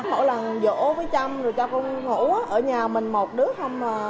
mỗi lần dỗ với chăm rồi cho cô ngủ ở nhà mình một đứa không là cả một vấn đề rồi